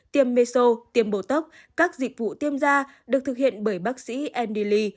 tiêm meso tiêm bô tốc các dịch vụ tiêm da được thực hiện bởi bác sĩ andy lee